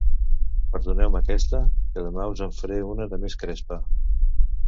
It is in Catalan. Perdoneu-me aquesta, que demà us en faré una de més crespa.